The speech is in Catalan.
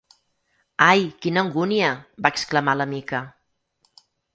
Ai, quina angúnia! —va exclamar la Mica.